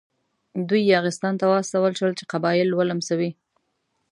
دوی یاغستان ته واستول شول چې قبایل ولمسوي.